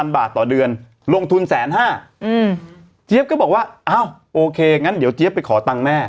บาทต่อเดือนลงทุน๑๕๐๐บาทเจี๊ยบก็บอกว่าอ้าวโอเคงั้นเดี๋ยวเจี๊ยบไปขอตังค์แม่